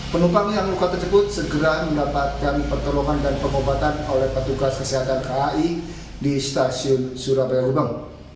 penumpang yang luka tersebut segera mendapatkan pertolongan dan pengobatan oleh petugas kesehatan kai di stasiun surabaya ubang